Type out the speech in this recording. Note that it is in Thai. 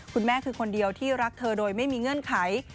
คุณแม่คือคนเดียวที่รักเธอโดยไม่มีเงื่อนไข